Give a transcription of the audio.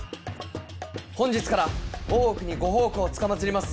本日から大奥にご奉公つかまつります